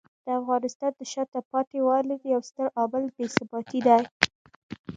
د افغانستان د شاته پاتې والي یو ستر عامل بې ثباتي دی.